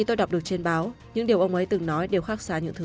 trump khẳng định